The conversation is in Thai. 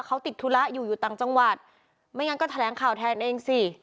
เขาติดธุระอยู่อยู่ต่างจังหวัดไม่งั้นก็แถลงข่าวแทนเองสิ